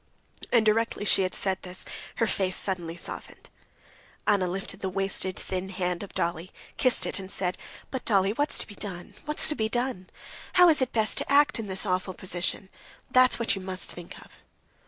And directly she had said this, her face suddenly softened. Anna lifted the wasted, thin hand of Dolly, kissed it and said: "But, Dolly, what's to be done, what's to be done? How is it best to act in this awful position—that's what you must think of."